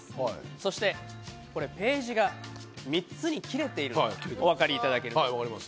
そして、ページが３つに切れているのがお分かりいただけますでしょうか。